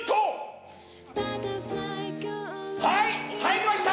はい入りました！